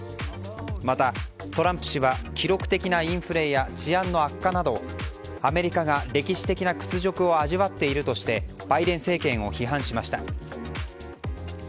またトランプ氏は記録的なインフレや治安の悪化などアメリカが歴史的な屈辱を味わっているとしてバイデン政権を批判しました。